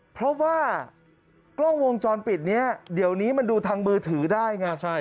เพราะว่ากล้องวงจรปิดนี้เดี๋ยวนี้มันดูทางมือถือได้ไง